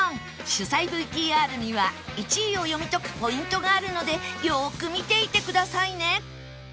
取材 ＶＴＲ には１位を読み解くポイントがあるのでよーく見ていてくださいね